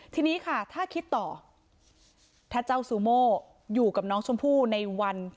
ทีนี้ค่ะถ้าคิดต่อถ้าเจ้าซูโม่อยู่กับน้องชมพู่ในวัน